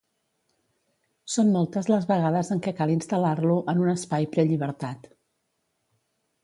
Són moltes les vegades en què cal instal·lar-lo en un espai prellibertat.